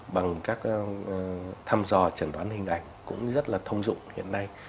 bằng các thăm dò chẩn đoán hình ảnh cũng rất là thông dụng hiện nay